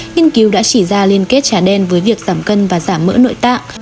nghiên cứu đã chỉ ra liên kết trả đen với việc giảm cân và giảm mỡ nội tạng